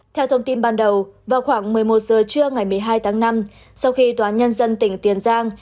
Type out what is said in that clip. theo thông tin ban đầu vào khoảng một mươi một giờ trưa ngày một mươi hai tháng năm sau khi tòa nhân dân tỉnh tiền giang